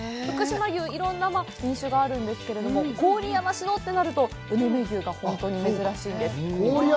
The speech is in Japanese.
福島牛、いろんな品種があるんですけれども、郡山市のってなると、うねめ牛が本当に珍しいんです。